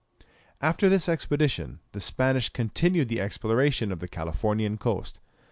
After this expedition the Spanish continued the exploration of the Californian coast.